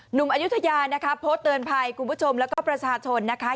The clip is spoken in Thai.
หนุ่มอายุทยานะคะโพสต์เตือนภัยคุณผู้ชมแล้วก็ประชาชนนะคะ